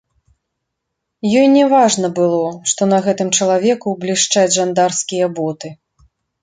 Ёй не важна было, што на гэтым чалавеку блішчаць жандарскія боты.